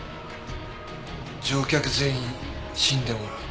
乗客全員死んでもらう。